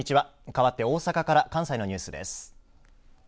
かわって大阪から関西のニュースです。